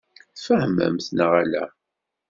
Tfehmemt neɣ ala?